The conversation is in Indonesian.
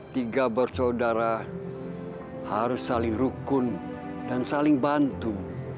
tiga bersaudara harus saling rukun dan saling bantu